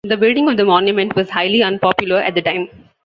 The building of the monument was highly unpopular at the time.